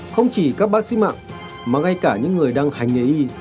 không chỉ các bác sĩ mạng mà ngay cả những người đang hành nghề y